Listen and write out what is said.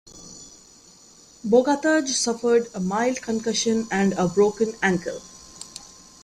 Bogataj suffered a mild concussion and a broken ankle.